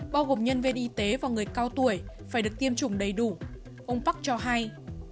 bao gồm nhân viên y tế và người cao tuổi phải được tiêm chủng đầy đủ ông park cho hay